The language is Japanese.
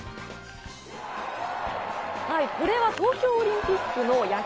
これは東京オリンピックの野球